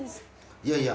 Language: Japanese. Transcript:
いやいや。